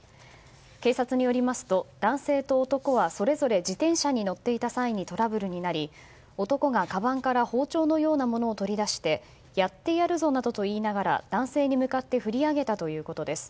警察によりますと、男性と男はそれぞれ自転車に乗っていた際にトラブルになり男がかばんから包丁のようなものを取り出してやってやるぞなどと言いながら男性に向かって振り上げたということです。